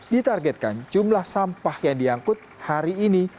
ditargetkan jumlah sampah yang diangkut hari ini